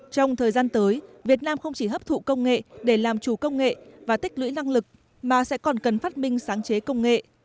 trong thời gian tới việt nam không chỉ hấp thụ công nghệ để làm chủ công nghệ và tích lũy năng lực mà sẽ còn cần phát minh sáng chế công nghệ